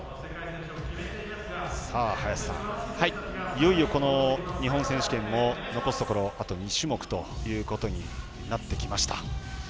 いよいよ日本選手権も残すところ、あと２種目ということになってきました。